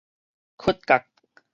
屈角